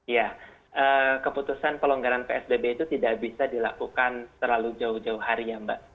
ya keputusan pelonggaran psbb itu tidak bisa dilakukan terlalu jauh jauh hari ya mbak